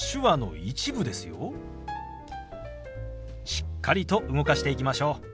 しっかりと動かしていきましょう。